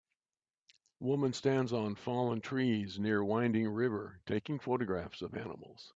Woman stands on fallen trees near winding river taking photographs of animals